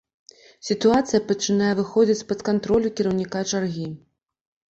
Сітуацыя пачынае выходзіць з-пад кантролю кіраўніка чаргі.